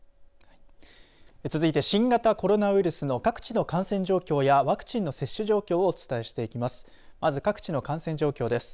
続いて新型コロナウイルスの各地の感染状況やワクチンの接種状況をお伝えしていきます。